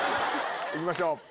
いきましょう！